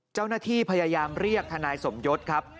เจ้าหน้าที่พยายามเรียกทนายสมยศครับ